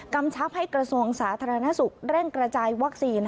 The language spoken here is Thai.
กำชับให้กระทรวงสาธารณสุขเร่งกระจายวัคซีน